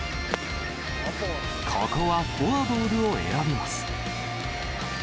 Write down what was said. ここはフォアボールを選びます。